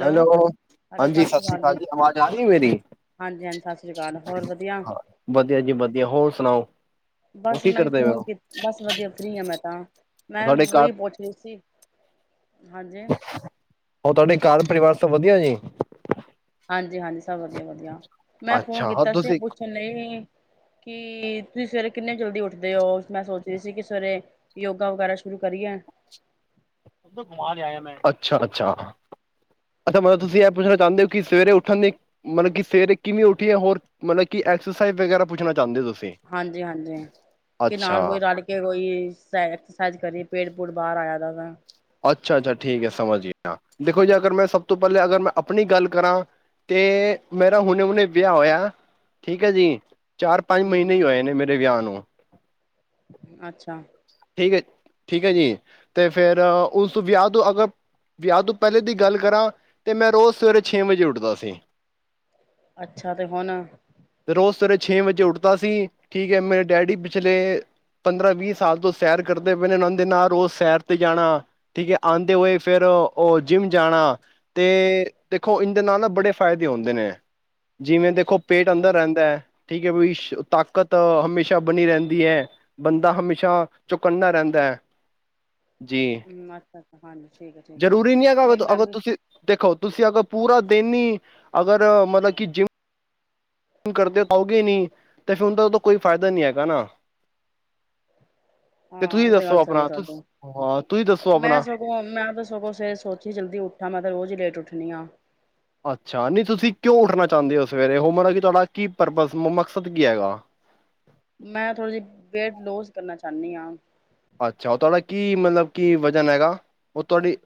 Hello, hello ਹਾਂਜੀ ਸਤਿ ਸਤ ਸ਼੍ਰੀ ਸ੍ਰੀ ਅਕਾਲ ਜੀ। ਆਵਾਜ਼ ਆ ਰਹੀ ਮੇਰੀ, ਹਾਂਜੀ ਹਾਂਜੀ ਸਤਿ ਸ਼੍ਰੀ ਅਕਾਲ ਹੋਰ ਵਧੀਆ ਵਧੀਆ ਜੀ ਵਧੀਆ ਹੋਰ ਸੁਣਾਓ ਉਹ ਬਸ ਕੀ ਮੈਂ ਕਰਦੇ ਵ। ਫੋਨ ਕੀ ਬਸ ਵਧੀਆ ਫਰੀ ਹਾਂ ਮੈਂ ਤਾਂ [inaudible] ਮੈਂ ਉਹੀ ਪੁੱਛੀ ਸੀ ਹਾਂਜੀ ਹੋਰ ਤੁਹਾਡੇ, ਘਰ -ਪਰਿਵਾਰ ਸਭ ਵਧੀਆ ਜੀ? ਹਾਂਜੀ -ਹਾਂਜੀ, ਸਭ ਵਧੀਆ -ਵਧੀਆ ਮੈਂ ਫੋਨ ਅੱਛਾ ਹਾਂ ਕੀਤਾ ਸੀ ਤੁਸੀਂ ਪੁੱਛਣ ਲਈ ਕਿ ਤੁਸੀਂ ਸਵੇਰੇ ਕਿੰਨੇ ਜਲਦੀ ਉੱਠਦੇ ਹੋ, ਮੈਂ ਸੋਚਦੀ ਸੀ ਕਿ ਸਵੇਰੇ ਯੋਗਾ ਵਗੈਰਾ ਸ਼ੁਰੂ ਕਰੀਏ? ਤੇ ਕਮਾਲ ਹੈ ਆਗਿਆ ਮੈਂ ਅੱਛਾ ਅੱਛਾ ਅੱਛਾ ਮਤਲਬ ਤੁਸੀਂ ਇਹ ਪੁੱਛਣਾ ਚਾਹੁੰਦੇ ਹੋ ਕਿ, ਸਵੇਰੇ ਉਠਣ ਦੀ ਮਤਲਬ ਕੀ ਸਵੇਰੇ ਕਿਵੇਂ ਉਠੀਏ, ਹੋਰ ਮਤਲਬ ਕਿ ਐਕਸਰਸਾਈਜ਼ ਵਗੈਰਾ ਪੁੱਛਣਾ ਚਾਹੁੰਦੇ ਹੋ ਤੁਸੀਂ? ਹਾਂਜੀ- ਹਾਂਜੀ ਕਿ, ਨਾਲ ਅੱਛਾ ਕੋਈ ਰਲ ਕੇ ਕੋਈ ਐਕਸਾਈਜ਼ ਕਰੀਏ ਪੇਟ ਬਹੁਤ ਬਾਹਰ ਆਇਆ ਦਾ ਤਾ ਅੱਛਾ -ਅੱਛਾ ਠੀਕ ਹੈ ਸਮਝ ਗਿਆ, ਦੇਖੋ ਜੀ ਅਗਰ ਮੈਂ ਸਭ ਤੋਂ ਪਹਿਲੇ ਅਗਰ ਮੈਂ ਆਪਣੀ ਗੱਲ ਕਰਾਂ, ਤੇ ਮੇਰਾ ਹੁਣੇ ਹੁਣੇ ਵਿਆਹ ਹੋਇਆ ਠੀਕ ਹੈ ਜੀ। ਚਾਰ ਪੰਜ ਹਮ ਮਹੀਨੇ ਹੀ ਹੋਏ ਨੇ, ਮੇਰੇ ਵਿਆਹ ਨੂੰ। ਹਮ [inaudible] ਅੱਛਾ। ਠੀਕ ਹੈ ਠੀਕ ਹੈ ਜੀ ਅਤੇ ਫੇਰ ਉਸ ਤੋਂ ਵਿਆਹ ਤੋਂ ਅਗਰ, ਵਿਆਹ ਤੋਂ ਪਹਿਲੇ ਦੀ ਗੱਲ ਕਰਾਂ, ਤਾਂ ਮੈਂ ਰੋਜ਼ ਸਵੇਰੇ ਛੇ ਵਜੇ ਉੱਠਦਾ ਸੀ। ਅੱਛਾ, ਤੇ ਹੁਣ। ਤੇ ਰੋਜ਼ ਸਵੇਰੇ ਛੇ ਵਜੇ ਉੱਠਦਾ ਸੀ, ਠੀਕ ਹੈ ਮੇਰੇ ਡੈਡੀ ਪਿਛਲੇ ਪੰਦਰਾਂ ਵੀਹ ਸਾਲ ਤੋਂ ਸੈਰ ਕਰਦੇ ਪਏ ਨੇ, ਉਹਨਾਂ ਦੇ ਨਾਲ ਰੋਜ਼ ਸੈਰ ਤੇ ਜਾਣਾ ਠੀਕ ਹੈ ਆਉਂਦੇ ਹੋਏ ਫਿਰ ਉਹ ਜਿੰਮ ਜਾਣਾ, ਤੇ ਦੇਖੋ ਇਦੇ ਨਾਲ ਨਾ ਬੜੇ ਫਾਇਦੇ ਹੁੰਦੇ ਨੇ। ਜਿਵੇਂ ਦੇਖੋ ਪੇਟ ਅੱਛਾ ਅੰਦਰ ਰਹਿੰਦਾ ਐ। ਠੀਕ ਹੈ ਵੀਸ਼ ਤਾਕਤ ਹਮੇਸ਼ਾ ਬਣੀ ਰਹਿੰਦੀ ਐ, ਬੰਦਾ ਹਮੇਸ਼ਾ ਚੁਕੰਨਾ ਰਹਿੰਦਾ ਐ। ਕਿਨਾਂ ਕ ਜ਼ਰੂਰੀ ਨੀ ਹੈਗਾ ਅਗ ਅਗਰ ਤੁਸੀਂ ਦੇਖੋ ਤੁਸੀਂ ਅਗਰ ਪੂਰਾ ਦਿਨੀ ਅਗਰ ਮਤਲਬ ਕਿ ਜਿੰਮ ਕਰਦੇ ਆਉਗੇ ਨਹੀਂ ਤੇ ਫਿਰ ਉਹਦਾ ਤਾਂ ਕੋਈ ਫਾਇਦਾ ਨਹੀਂ ਹੈਗਾ ਨਾ ਹਾਂ ਤੁਸੀਂ ਇਹ ਤੇ ਦੱਸੋ ਗੱਲ ਸਹੀ ਏ, ਆਪਣਾ ਤੁਸ ਤੁਹਾਡੀ ਹਾਂ ਤੁਸੀਂ ਦੱਸੋ ਮੈਂ ਆਪਣਾ ਸਗੋਂ ਮੈਂ ਤਾਂ ਸਗੋਂ ਸਵੇਰੇ ਸੋਚੀ ਜਲਦੀ ਉੱਠਾ ਮੈਂ ਤੇ ਰੋਜ਼ ਹੀ ਲੇਟ ਉੱਠ ਦੀਆਂ ਅੱਛਾ ਨਹੀਂ ਤੁਸੀਂ ਕਿਉਂ ਉੱਠਣਾ ਚਾਹੁੰਦੇ ਹੋ ਸਵੇਰੇ ਹੋ ਮਤਲਬ ਕਿ ਤੁਹਾਡਾ ਕੀ ਪਰਪਸ ਮਕਸਦ ਕੀ ਹੈਗਾ। ਮੈਂ ਥੋੜ੍ਹੀ ਜਿਹੀ ਵੇਟ ਲੂਸ ਕਰਨਾ ਚਾਹੁੰਦੀ ਹਾਂ। ਅੱਛਾ ਉਹ ਤੁਹਾਡਾ ਕੀ ਮਤਲਬ ਕੀ ਵਜ਼ਨ ਹੈਗਾ ਉਹ ਤੁਹਾਡੀ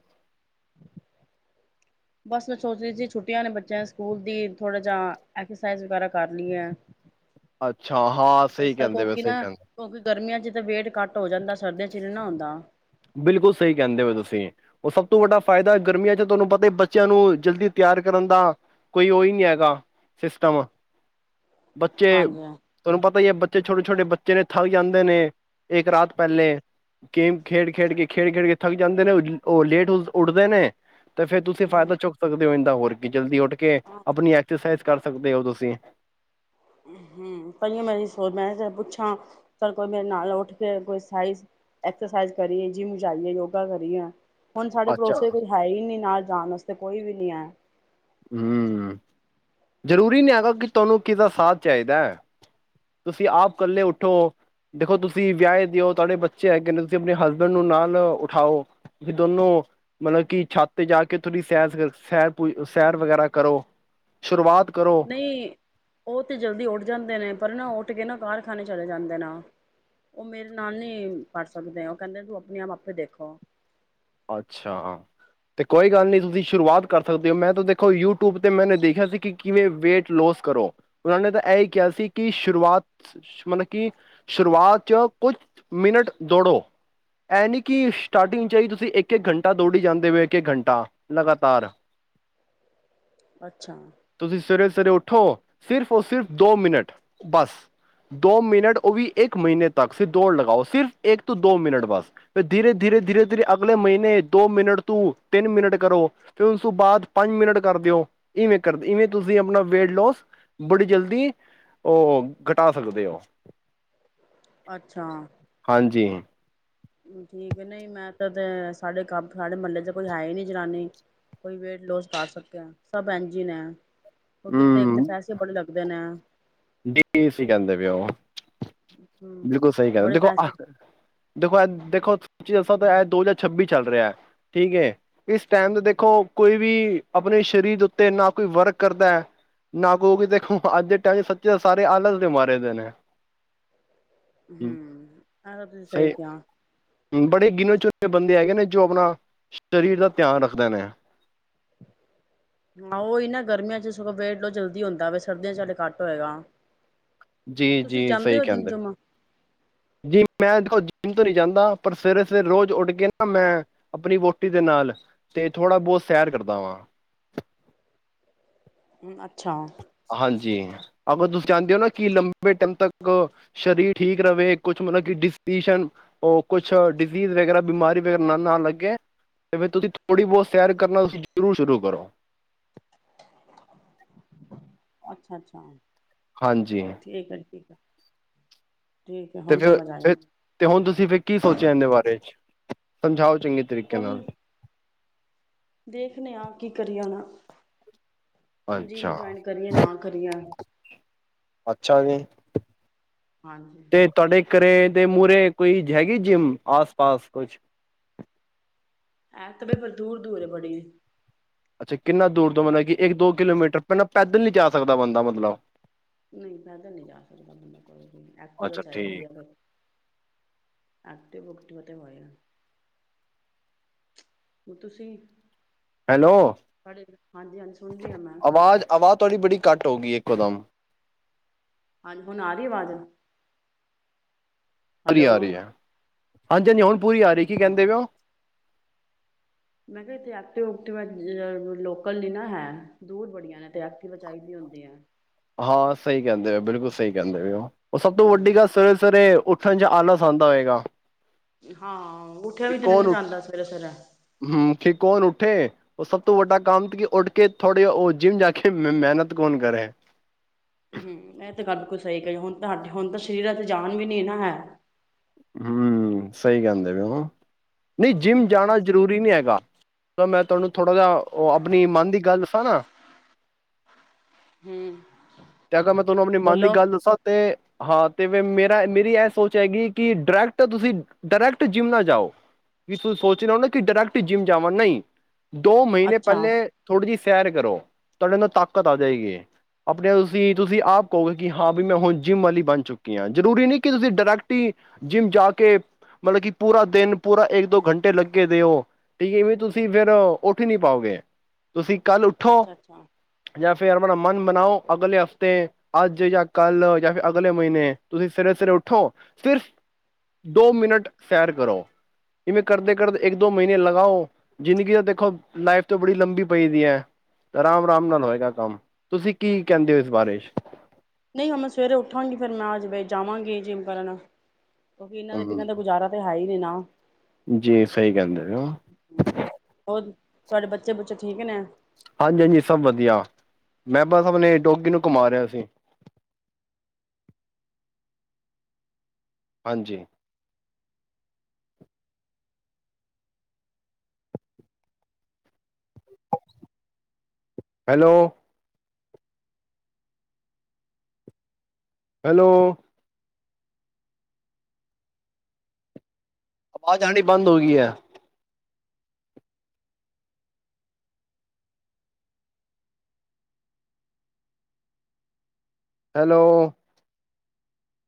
ਬਸ ਮੈਂ ਸੋਚ ਰਹੀ ਸੀ ਛੁੱਟੀਆਂ ਨੇ ਬੱਚਿਆਂ ਦੇ ਸਕੂਲ ਦੀ ਥੋੜਾ ਜਿਹਾ ਐਕਸਰਸਾਈਜ਼ ਵਗੈਰਾ ਕਰਨੀ ਹੈ ਅੱਛਾ ਹਾਂ ਸਹੀ ਕਹਿੰਦੇ ਵ ਸਹੀ ਨਾ ਕਹਿੰਦੇ ਕਿਉਂਕਿ ਗਰਮੀਆਂ ਚ ਵੇਟ ਘੱਟ ਹੋ ਜਾਂਦਾ ਸਰਦੀਆਂ ਚ ਨੀ ਨਾ ਹੁੰਦਾ। ਬਿਲਕੁਲ ਸਹੀ ਕਹਿੰਦੇ ਹੋ ਤੁਸੀਂ ਉਹ ਸਭ ਤੋਂ ਵੱਡਾ ਫ਼ਾਇਦਾ ਗਰਮੀਆਂ ਚ' ਤੁਹਾਨੂੰ ਪਤਾ ਬੱਚਿਆਂ ਨੂੰ ਜਲਦੀ ਤਿਆਰ ਕਰਨ ਦਾ ਕੋਈ ਉਹ ਹੀ ਨਹੀਂ ਹੈਗਾ ਸਿਸਟਮ ਬੱਚੇ ਹਾਂਜੀ। ਤੁਹਾਨੂੰ ਪਤਾ ਹੀ ਹੈ ਬ ਬੱਚੇ ਛੋਟੇ ਛੋਟੇ ਬੱਚੇ ਨੇ ਥੱਕ ਜਾਂਦੇ ਨੇ ਇੱਕ ਰਾਤ ਪਹਿਲੇ ਖੇਡ ਖੇਡ ਕੇ ਖੇਡ ਖੇਡ ਕੇ ਥੱਕ ਜਾਂਦੇ ਨੇ ਉਹ ਲੇਟ ਉੱਠਦੇ ਨੇ ਤੇ ਫੇਰ ਤੁਸੀਂ ਹੂੰ, ਫਾਇਦਾ ਚੁੱਕ ਸਕਦੇ ਹੋ ਦਾ ਹੋਰ ਕੀ ਜਲਦੀ ਉੱਠ ਕੇ ਹਾਂ ਆਪਣੀ ਐਕਸਰਸਾਈਜ਼ ਕਰ ਸਕਦੇ ਹੋ ਤੁਸੀਂ ਹੂੰ ਪਈਆਂ ਮੈਂ ਸੋਚ ਮੈਂ ਕਿਹਾ ਮੈਂ ਪੁੱਛਾਂ ਚੱਲ ਕੋਈ ਮੇਰੇ ਨਾਲ ਉੱਠ ਕੇ ਕੋਈ ਸਾਈਜ਼ ਐਕਸਰਸਾਈਜ਼ ਕਰੀਏ ਜਿੰਮ ਜਾਈਏ ਯੋਗਾ ਕਰੀਏ ਹੁਣ ਸਾਡੇ ਅੱਛਾ ਪੜੋਸੀਆ ਚ ਕੋਈ ਹੈ ਹੀ ਨੀ ਨਾਲ ਜਾਣ ਵਸਤੇ ਕੋਈ ਵੀ ਨਹੀਂ ਐ। ਹਮ ਜ਼ਰੂਰੀ ਨੀ ਹੈਗਾ ਕਿ ਤੁਹਾਨੂੰ ਕਿਸ ਦਾ ਸਾਥ ਚਾਹੀਦਾ ਤੁਸੀਂ ਆਪ ਇਕੱਲੇ ਉੱਠੋ ਦੇਖੋ ਤੁਸੀਂ ਵਿਆਹੇ ਦਿਓ ਤੁਹਾਡੇ ਬੱਚੇ ਹੈ ਕਹਿੰਦੇ ਤੁਸੀਂ ਆਪਣੇ ਹਸਬੈਂਡ ਨੂੰ ਨਾਲ ਉਠਾਓ ਵੀ ਦੋਨੋ ਮਤਲਬ ਕਿ ਛੱਤ ਤੇ ਜਾ ਕੇ ਥੋੜੀ ਸੈਰ ਸੈਰ ਸੈਰ ਵਗੈਰਾ ਕਰੋ ਸ਼ੁਰੂਆਤ ਕਰੋ ਨਹੀਂ ਉਹ ਤੇ ਜਲਦੀ ਉੱਠ ਜਾਂਦੇ ਨੇ ਪਰ ਨਾ ਉਠ ਉਠਕੇ ਨਾ ਕਾਰਖਾਨੇ ਚਲੇ ਜਾਂਦੇ ਨਾ ਉਹ ਮੇਰੇ ਨਾਲ ਨਹੀਂ ਕਰ ਸਕਦੇ ਉਹ ਕਹਿੰਦੇ ਤੂੰ ਆਪਣੇ ਆਪ ਆਪੇ ਦੇਖੋ ਅੱਛਾ ਤੇ ਕੋਈ ਗੱਲ ਨਹੀਂ ਤੁਸੀਂ ਸ਼ੁਰੂਆਤ ਕਰ ਸਕਦੇ ਹੋ ਮੈਂ ਤਾਂ ਦੇਖੋ ਯੂਟਿਊਬ ਤੇ ਮੈਨੇ ਦੇਖਿਆ ਸੀ ਕਿ ਕਿਵੇਂ ਵੇਟ ਲੋਸ ਕਰੋ ਉਹਨਾਂ ਨੇ ਤਾਂ ਇਹ ਹੀ ਕਿਹਾ ਸੀ ਕਿ ਸ਼ੁਰੂਆਤ ਮਤਲਬ ਕਿ ਸ਼ੁਰੂਆਤ ਚ ਕੁਛ ਮਿੰਟ ਦੌੜੋ ਇਹ ਨੀ ਕਿ ਸਟਾਰਟਿੰਗ ਚ ਹੀ ਤੁਸੀਂ ਅਸੀਂ ਇੱਕ ਇੱਕ ਘੰਟਾ ਦੌੜੀ ਜਾਂਦੇ ਹੋਏ ਇੱਕ ਇੱਕ ਘੰਟਾ ਲਗਾਤਾਰ ਅੱਛਾ ਤੁਸੀਂ ਸਵੇਰੇ ਉੱਠੋ ਸਿਰਫ ਸਿਰਫ ਦੋ ਮਿੰਟ ਬੱਸ ਦੋ ਮਿੰਟ ਉਹ ਵੀ ਇੱਕ ਮਹੀਨੇ ਤੱਕ ਸ ਦੌੜ ਲਗਾਓ ਸਿਰਫ ਇੱਕ ਤੋਂ ਦੋ ਮਿੰਟ ਬਸ ਧਰੇ ਧਰੇ ਧੀ ਧ ਅਗ ਅਗਲੇ ਮਹੀਨੇ ਦੋ ਮਿੰਟ ਤੋਂ ਤਿੰਨ ਮਿੰਟ ਕਰੋ ਫਿਰ ਉਸ ਤੋਂ ਬਾਅਦ ਪੰਜ ਮਿੰਟ ਕਰ ਦਿਓ ਇਵੇਂ ਕਰਦੇ ਇਵੇਂ ਤੁਸੀਂ ਆਪਣਾ ਵੇਟ ਲੋਸ ਬੜੀ ਜਲਦੀ ਉਹ ਘਟਾ ਸਕਦੇ ਹੋ ਅੱਛਾ ਹਾਂਜੀ ਠੀਕ ਹੈ ਨਹੀਂ ਮੈਂ ਤਾਂ ਸਾਡੇ ਕੰਮ ਸਾਡੇ ਮਹੱਲੇ ਚ ਕੋਈ ਹੈ ਹੀ ਨੀ ਜਨਾਨੀ ਕੋਈ ਵੇਟ ਲੋੂਸ ਕਰ ਸਕਿਆ ਸਭ ਇੰਜ ਹੀ ਨੇ ਕਿਉਂਕਿ ਤਾਂ ਇੱਕ ਤਾਂ ਪੈਸੇ ਬੜੇ ਲੱਗਦੇ ਨੇ ਡੀ ਵ ਕਹਿੰਦੇ ਪਏ ੳ ਹੂੰ ਬਿਲਕੁਲ ਸਹੀ ਬੜੇ ਕਹਿੰਦੇ ਦੇਖੋ ਪੈਸੇ ਦੇਖੋ ਦੇ ਦੇੋੀ ਦਸ ਇਹ ਦੋ ਹਜ਼ਾਰ ਛੱਬੀ ਚੱਲ ਰਿਹਾ ਹੈ ਠੀਕ ਹੈ ਇਸ ਟਾਈਮ ਦੇ ਦੇਖੋ ਕੋਈ ਵੀ ਆਪਣੇ ਸਰੀਰ ਦੇ ਉੱਤੇ ਨਾ ਕੋਈ ਵਰਕ ਕਰਦਾ ਹੈ ਨਾ ਕੋਈ ਵੀ ਦੇਖੋ ਅੱਜ ਦੇ ਟਾਈਮ ਸ ਸਾਰੇ ਆਲਸ ਦੇ ਮਾਰੇ ਦੇ ਨੇ। ਹਮ ਆ ਬ ਸਹੀ ਸਹੀਕਾਂ [inaudible] ਬੜੇ ਗਿਣੇ ਬੰਦੇ ਹੈਗੇ ਨੇ, ਜੋ ਆਪਣਾ ਸਰੀਰ ਦਾ ਧਿਆਨ ਰੱਖਦੇ ਨੇ। ਹਾਂ ਉਹੀ ਨਾ ਗਰਮੀਆਂ ਚ ਸਗੋਂ ਵੇਟ ਲੋਸ ਜਲਦੀ ਹੁੰਦਾ। ਸਰਦੀਆਂ ਚ ਹਡੇ ਘੱਟ ਹੋਏਗਾ। ਜੀ- ਜੀ ਤੁਸੀਂ ਜਾਂਦੇ ਸਹੀ ਹੋ ਜਿੰਮ ਕਹਿੰਦੇ ਨੇ, ਜੁਮ? ਜੀ ਮੈਂ ਦੇੋ ਜਿਮ ਤੇ ਨਹੀਂ ਜਾਂਦਾ, ਪਰ ਸਵੇਰੇ- ਸਵੇਰੇ ਰੋਜ਼ ਉੱਠ ਕੇ ਨਾ, ਮੈਂ ਆਪਣੀ ਵਹੁਟੀ ਦੇ ਨਾਲ ਤੇ ਥੋੜ੍ਹਾ ਬਹੁਤ ਸੈਰ ਕਰਦਾ ਵਾਂ। ਹਮ ਅੱਛਾ [inaudible] ਹਾਂਜੀ। ਅਗਰ ਤੁਸੀਂ ਚਾਹੁੰਦੇ ਹੋ ਨਾ, ਕਿ ਲੰਬੇ ਟਾਈਮ ਤੱਕ ਸਰੀਰ ਠੀਕ ਰਹੇ, ਕੁਛ ਮਤਲਬ ਕਿ ਡਿ ਉਹ ਕੁਛ ਡਿਜ਼ੀਜ਼ ਵਗੈਰਾ ਬਿਮਾਰੀ ਵਗੈਰਾ ਨਾ ਨਾ ਲੱਗੇ, ਤੇ ਫਿਰ ਤੁਸੀਂ ਥੋੜ੍ਹੀ ਬਹੁਤ ਸੈਰ ਕਰਨਾ ਤੁਸੀਂ ਜ਼ਰੂਰ ਸ਼ੁਰੂ ਕਰੋ। ਅੱਛਾ ਅੱਛਾ। ਹਾਂਜੀ ਠੀਕ ਆ ਜੀ ਠੀਕ ਆ [inaudible] ਤੇ ਫਿਰ ਆਈ ਫ ਤੇ ਹੁਣ ਤੁਸੀਂ ਫਿਰ ਕੀ ਸੋਚਿਆ, ਇਹਦੇ ਬਾਰੇ ਚ? ਸਮਝਾਓ। ਚੰਗੇ ਤਰੀਕੇ ਕੋ ਨਾਲ ਦੇਖਣੇ ਆਪ [inaudible] ਕੀ ਕਰੀ ਆਣਾ [inaudible] ਜਿਮ ਅੱਛਾ ਜੁਆਇਨ ਕਰੀਏ, ਨਾ ਕਰੀਏ? ਅੱਛਾ ਜੀ। ਹਾਂਜੀ [inaudible] ਤੁਹਾਡੇ ਚੱਕਰੇ ਤੇ ਮੂਹਰੇ ਕੋਈ ਹੈਗੀ ਜਿੰਮ? ਆਸ ਪਾਸ ਕੁਛ ਐਂ ਤੇ ਬਈ ਫਿਰ ਦੂਰ ਦੂਰ ਬੜੀ ਅੱਛਾ ਕਿੰਨਾ ਦੂਰ ਤੋਂ ਮਤਲਬ ਕਿ, ਇੱਕ ਦੋ ਕਿਲੋਮੀਟਰ ਪਹਿਲਾਂ ਪੈਦਲ ਨੀ ਜਾ ਸਕਦਾ ਬੰਦਾ ਮਤਲਬ। ਨਹੀਂ, ਏਦਾ ਨਹੀਂ ਜਾ ਸਕਦਾ ਬੰਦਾ ਕੋਈ ਵੀ। ਐਕਟਿਵਾ ਅੱਛਾ ਚਾਹੀਦੀ ਠੀਕ ਆ ਉਹਨੂੰ। ਐਕਟਿਵਾ ਓਕਟੀਵਾ ਤੇ ਹੋਏਗਾ। [unintelligible] ਹੁਣ ਤੁਸੀਂ। ਹੈਲੋ! ਹਾਂਜੀ-ਹਾਂਜੀ ਸੁਣ ਰਹੀ ਹਾਂ ਮੈਂ। ਆਵਾਜ਼-ਆਵਾਜ਼, ਤੁਹਾਡੀ ਬੜੀ ਘੱਟ ਹੋ ਗਈ ਏ ਇੱਕੋ ਦਮ। ਹਾਂਜੀ, ਹੁਣ ਆ ਰਹੀ ਆਵਾਜ਼? ਆ ਰਹੀ, ਹੈਲੋ ਆ ਰਹੀ ਐ। ਹਾਂਜੀ- ਹਾਂਜੀ, ਹੁਣ ਪੂਰੀ ਆ ਰਹੀ। ਕੀ ਕਹਿੰਦੇ ਹਾਂਜੀ ਪੇਓ? ਮੈਂ ਕਿਹਾ ਇਥੇ ਐਕਟਿਵਕਟਿ-ਊਕਟਿਵਾ ਲੋਕਲ ਨੀ ਨਾ ਹੈ। ਦੂਰ ਬੜੀਆਂ ਨੇ, ਐਕਟਿਵਾ ਚਾਹੀਦੀ ਹੁੰਦੀ ਹੈ। ਹਾਂ ਸਹੀ ਕਹਿੰਦੇ ਪਏ ਹੋ। ਬਿਲਕੁਲ ਸਹੀ ਕਹਿੰਦੇ ਪਏ ਹੋ। ਔਰ ਸਭ ਤੋਂ ਹਮ ਵੱਡੀ ਗੱਲ ਸਵੇਰੇ-ਸਵੇਰੇ ਉੱਠਣ ਚ ਆਲਾਸ ਆਂਦਾ ਹੋਏਗਾ। ਹਾਂ। ਉੱਠਿਆ ਕਿ ਵੀ ਤੇ ਨੀ ਕੌਣ ਨਾ ਉੱਠ, ਜਾਂਦਾ ਸਵੇਰੇ ਸਵੇਰੇ ਹਮ, ਕਿ ਕੌਣ ਉੱਠ ਉੱਠੇ ਤੇ ਸਭ ਤੋਂ ਵੱਡਾ ਕੰਮ ਕਿ, ਉੱਠ ਕੇ ਥੋੜੀ, ਉਹ ਜਿੰਮ ਜਾ ਕੇ ਮੇਹਨਤ ਕੌਣ ਕਰੇ? ਹਮ, ਏਹ ਤੇ ਗੱਲ ਬਿਲਕੁਲ ਸਹੀ ਕਹੀ ਹੁਨ ਤੁਹਾਡੇ, ਹੁਨ ਤਾਂ ਸਰੀਰਾਂ ਚ ਜਾਨ ਵੀ ਨੀ ਨਾ ਹੈ। ਹਮ, ਸਹੀ ਕਹਿੰਦੇ ਪਏਓ ਹਾ। ਨਹੀਂ, ਜਿੰਮ ਜਾਣਾ ਜ਼ਰੂਰੀ ਨਹੀਂ ਹੈਗਾ। ਪਰ ਮੈਂ ਤੁਹਾਨੂੰ ਥੋੜ੍ਹਾ ਜਿਹਾ, ਉਹ ਆਪਣੀ ਮਨ ਦੀ ਗੱਲ ਦੱਸਾਂ ਨਾ। ਹੂੰ ਤੇ ਅਗਰ ਮੈਂ ਤੁਹਾਨੂੰ, ਅਪਨੀ ਮਨ ਦੀ ਗੱਲ ਦੱਸਾਂ ਤੇ ਹਾਂ ਤੇ ਮ-ਮ-ਮੇਰਾ ਮੇਰੀ ਇਹ ਸੋਚ ਹੈਗੀ ਕਿ ਡਰੈਕਟ, ਤੁਸੀਂ ਡਰੈਕਟ ਜਿੰਮ ਨਾ ਜਾਓ। ਤੁਸੀਂ ਸੋਚ ਰਹੇ ਹੋ ਨਾ ਕਿ ਡਰੈਕਟ ਜਿੰਮ ਜਾਵਾਂ। ਨਹੀਂ। ਦੋ ਮਹੀਨੇ ਅੱਛਾ ਪਹਿਲੇ, ਥੋੜੀ ਜਿਹੀ ਸੈਰ ਕਰੋ, ਤੁਹਾਡੇ ਨਾ ਤਾਕਤ ਆ ਜਾਏਗੀ। ਅਪ ਤੇ ਤੁਸੀਂ, ਤੁਸੀਂ ਆਪ ਕਹੋਗੇ ਕਿ ਹਾਂ ਵੀ ਮੈਂ ਹੁਨ ਜਿੰਮ ਵਾਲੀ ਬਨ ਚੁੱਕੀ ਆ, ਜਰੂਰੀ ਨੀ ਕਿ ਤੁਸੀਂ ਡਰੈਕਟ ਈ, ਜਿੰਮ ਜਾ ਕੇ, ਮਲਬ ਕਿ, ਪੂਰਾ ਦਿਨ, ਪੂਰਾ ਇੱਕ-ਦੋ ਘੰਟੇ ਲੱਗੇ ਦੇ ੳ। ਠੀਕ ਏ, ਐਵੇਂ ਤੁਸੀਂ ਫਿਰ ਉੱਠ ਈ ਨੀ ਪਾਓਗੇ। ਤੁਸੀਂ ਕੱਲ ਉੱਠੋ, ਅੱਛਾ ਅੱਛਾ ਜਾਂ ਫਿਰ ਅਪਨਾ ਮਨ ਮਨਾਓ ਅਗਲੇ ਹਫ਼ਤੇ, ਅੱਜ ਯਾ ਕੱਲ੍ਹ ਜਾਂ ਫਿਰ ਅਗਲੇ ਮਹੀਨੇ, ਤੁਸੀਂ ਸੇਰੇ ਸੇਰੇ ਉੱਠੋ, ਸਿਰਫ ਦੋ ਮਿੰਟ ਸੈਰ ਕਰੋ, ਜਿਵੇਂ ਕਰਦੇ-ਕਰਦੇ, ਇੱਕ-ਦੋ ਮਹੀਨੇ ਲਗਾਓ। ਜ਼ਿੰਦਗੀ ਤਾਂ ਦੇਖੋ ਲਾਈਫ ਤੋਂ ਬੜੀ ਲੰਬੀ ਪਈ ਦੀ ਹੈ। ਆਰਾਮ-ਆਰਾਮ ਨਾਲ ਹੋਏਗਾ ਕੰਮ। ਤੁਸੀਂ ਕੀ ਕਹਿੰਦੇ ੳ, ਇਸ ਬਾਰੇ ਚ? ਨਹੀਂ ਹੁਨ ਮੈਂ ਸਵੇਰੇ ਉੱਠਾਂਗੀ। ਫੇਰ ਮੈਂ ਅੱਜ ਜਾਵਾਂਗੀ ਜਿਮ ਕਰਨ ਕਿਉਂਕਿ ਇਹਨਾਂ ਦੇ ਹਮ ਬਿਨਾਂ ਤਾ ਗੁਜਾਰਾ ਤੇ [unintelligible] ਹੈ ਈ ਨੀ ਨਾ। ਜੀ ਸਹੀ ਕਹਿੰਦੇ ਪਏ ੳ। ਹੋਰ ਤੁਹਾਡੇ [unintelligible] ਠੀਕ ਨੇ। ਹਾਂਜੀ-ਹਾਂਜੀ, ਸਭ ਵਧੀਆ। ਮੈਂ ਬਸ ਅਪਨੇ, ਡੌਗੀ ਨੂੰ ਘੁਮਾ ਰਿਹਾ ਸੀ। ਹਾਂਜੀ। ਹੈਲੋ ਹੈਲੋ ਆਵਾਜ਼ ਆਣੀ ਬੰਦ ਹੋ ਗੀ ਏ ਹੈਲੋ